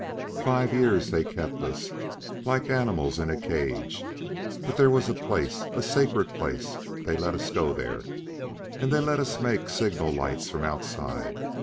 "Five years they kept us ... like animals in a cage ... but there was a place ... a sacred place ... they let us go there.... And they let us make signal lights from outside